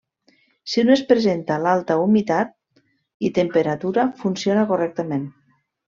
Si no es presenta l'alta humitat i temperatura funciona correctament.